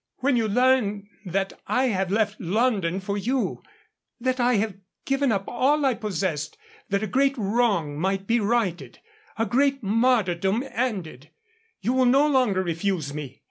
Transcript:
"When you learn that I have left London for you; that I have given up all I possessed that a great wrong might be righted, a great martyrdom ended, you will no longer refuse me."